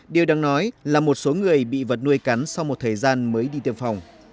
điều đáng nói là một số người bị vật nuôi cắn sau một thời gian mới đi tiêm phòng